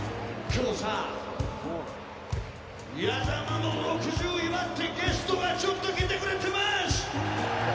今日さ、矢沢の６０祝ってゲストがちょっと来てくれてます！